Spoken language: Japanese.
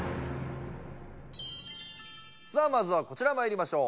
さあまずはこちらまいりましょう。